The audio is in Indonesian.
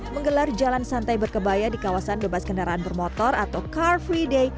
menggelar jalan santai berkebaya di kawasan bebas kendaraan bermotor atau car free day